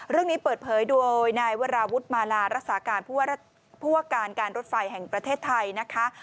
เรื่องนี้เปิดเผยด้วยในวัตรวุฒิมาราศการณ์พวกการรถไฟแห่งประเทศไทยนะคะ